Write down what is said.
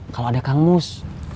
kalo ada kang mus